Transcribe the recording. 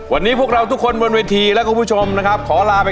วันนี้พวกเราทุกคนบนเวทีและคุณผู้ชมนะครับขอลาไป